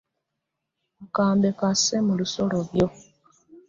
Akambe kasse mu lusolobyo.